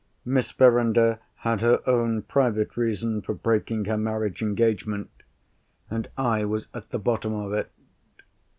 Miss Verinder had her own private reason for breaking her marriage engagement—and I was at the bottom of it.